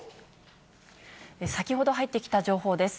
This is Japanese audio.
先ほど入ってきた情報です。